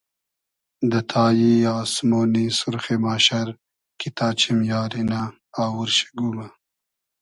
دۂ تای آسمۉنی سورخی ماشئر کی تا چیم یاری نۂ آوور شی گومۂ